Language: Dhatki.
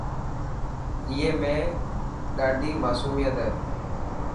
اي ۾ ڏاڏي ماصوميت هي.